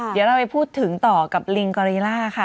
เดี๋ยวเราไปพูดถึงต่อกับลิงกอริล่าค่ะ